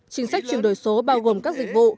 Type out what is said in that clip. chính sách chuyển đổi số bao gồm các dịch vụ